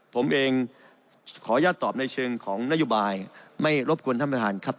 ผมเองขออนุญาตตอบในเชิงของนโยบายไม่รบกวนท่านประธานครับ